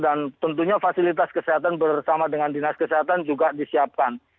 dan tentunya fasilitas kesehatan bersama dengan dinas kesehatan juga disiapkan